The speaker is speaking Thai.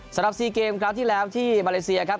สำหรับ๔เกมครั้งที่แล้วที่มาเลเซียครับ